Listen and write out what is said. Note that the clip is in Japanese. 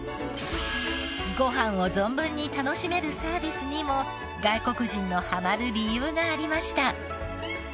ご飯を存分に楽しめるサービスにも外国人のハマる理由がありました。